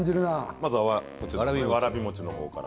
まずはわらび餅のほうから。